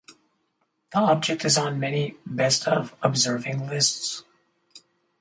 The object is on many "best of" observing lists.